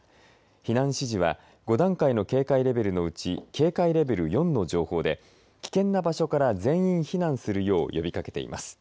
避難指示は、５段階の警戒レベルのうち警戒レベル４の情報で危険な場所から全員避難するよう呼びかけています。